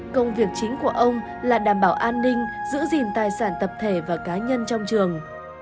công việc chính của ông là đảm bảo an ninh giữ gìn tài sản tập thể và cá nhân trong trường